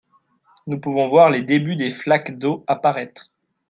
Nous pouvons voir les débuts des flaques d'eaux apparaître